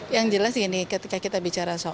yang jelas gini ketika kita bicara soal